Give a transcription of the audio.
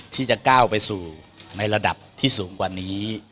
ที่จะก้าวไปสู่ในระดับที่สูงกว่านี้